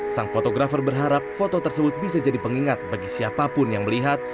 sang fotografer berharap foto tersebut bisa jadi pengingat bagi siapapun yang melihat